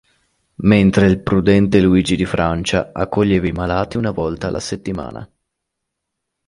Mentre il prudente Luigi di Francia accoglieva i malati una volta alla settimana.